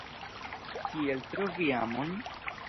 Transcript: Kiel trovi amon?